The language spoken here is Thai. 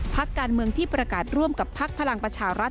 พักการเมืองที่ประกาศร่วมกับพักพลังประชารัฐ